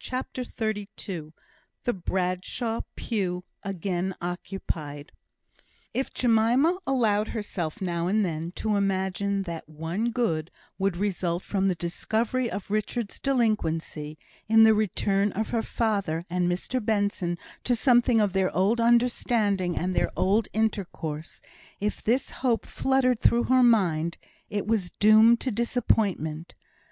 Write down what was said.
CHAPTER XXXII The Bradshaw Pew Again Occupied If Jemima allowed herself now and then to imagine that one good would result from the discovery of Richard's delinquency, in the return of her father and Mr Benson to something of their old understanding and their old intercourse if this hope fluttered through her mind, it was doomed to disappointment.